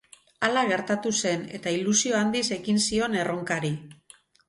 Hala gertatu zen eta ilusio handiz ekin zion erronkari.